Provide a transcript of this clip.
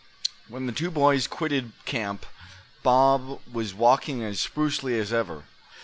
When the two boys quitted camp Bob was walking as sprucely as ever.